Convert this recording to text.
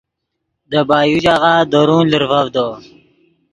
دے بایو ژاغہ درون لرڤڤدو